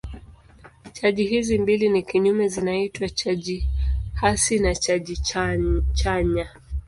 Chaji hizi mbili ni kinyume zinaitwa chaji hasi na chaji chanya.